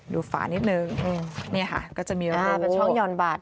ดูฝานิดหนึ่งเนี่ยค่ะก็จะมีอ่าเป็นช่องหย่อนบัตร